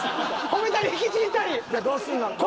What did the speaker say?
じゃどうすんの？